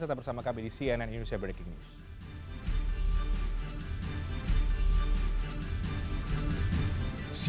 tetap bersama kami di cnn indonesia breaking news